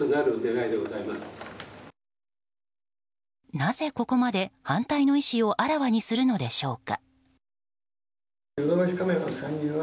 なぜここまで反対の意思をあらわにするのでしょうか。